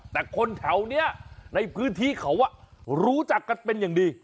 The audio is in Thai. แต่คนแถวนี้ในพื้นที่เขารู้จักกันเป็นอย่างดี